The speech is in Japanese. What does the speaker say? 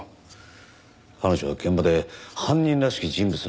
彼女は現場で犯人らしき人物の声を聞いていた。